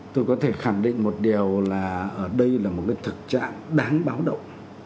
tôi có thể khẳng định một điều là ở đây là một cái thực trạng đáng báo động